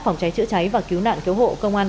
phòng cháy chữa cháy và cứu nạn cứu hộ công an